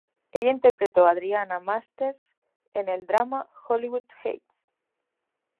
Ella interpretó a Adriana Masters en el drama "Hollywood Heights".